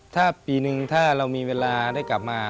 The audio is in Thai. ถ้าปีนึงถ้าเรามีเวลาได้กลับมา